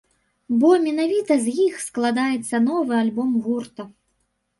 Бо менавіта з іх складаецца новы альбом гурта.